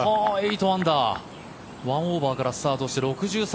８アンダー１オーバーからスタートして６３。